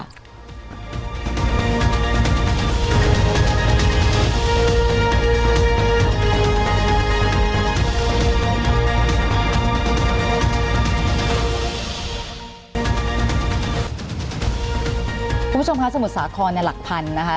คุณผู้ชมคะสมุทรสาครในหลักพันนะคะ